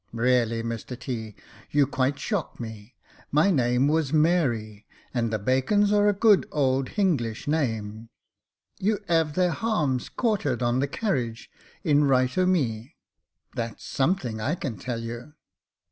" Really, Mr T., you quite shock me. My name was Mary, and the Bacons are a good old /finglish name. You 'ave their ^arms quartered on the carriage in right o' me. That's some thing, I can tell you."